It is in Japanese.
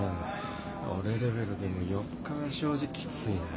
俺レベルでも４日は正直きついな。